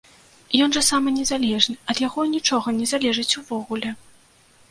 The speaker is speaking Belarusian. Ён жа самы незалежны, ад яго нічога не залежыць увогуле!